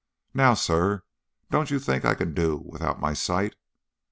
Now, sir, don't you think I can do without my sight?"